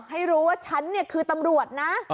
ให้รู้ว่าฉันคือตำรวจนะ